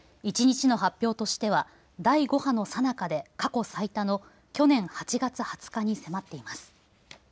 一日の発表としては第５波のさなかで過去最多の去年８月２０日に迫っています。